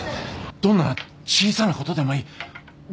どんな細かなことでもいい。